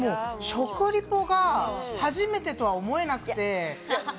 食リポが初めてとは思えなくて。